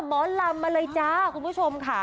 หมอลำมาเลยจ้าคุณผู้ชมค่ะ